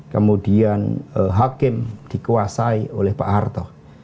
kemudian hakim dikuasai oleh pak harto